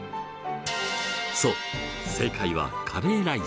そう正解はカレーライス。